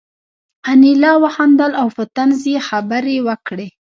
انیلا وخندل او په طنز یې خبرې وکړې